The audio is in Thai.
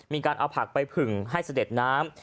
มีการเอาผักไปผึ่งให้เสด็จน้ำ